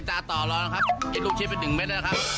ชัดต่อวันนั่นระครับดูนานดูชิ้นไปหนึ่งเมตรด้อกไหมนะครับ